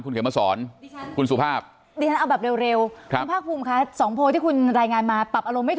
คุณเขี่ยวมาสอนสุภาพแบบเร็วที่คุณรายงานมาปรับอารมณ์ไม่